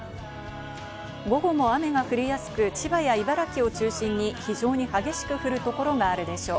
午後も雨が降りやすく、千葉や茨城を中心に非常に激しく降るところがあるでしょう。